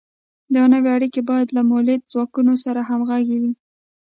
دا نوې اړیکې باید له مؤلده ځواکونو سره همغږې وي.